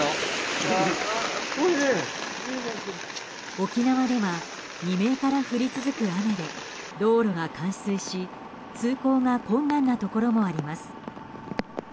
沖縄では未明から降り続く雨で道路が冠水し、通行が困難なところもあります。